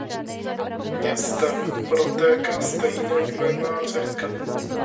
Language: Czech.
Městem protéká stejnojmenná řeka.